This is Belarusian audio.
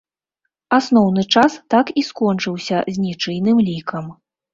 Асноўны час так і скончыўся з нічыйным лікам.